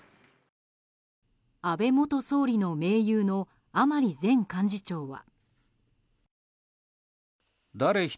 安倍元総理の盟友の甘利前幹事長は。